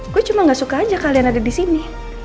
gue cuma gak suka aja kalian ada di sini